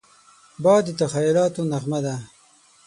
باد د تخیلاتو نغمه ده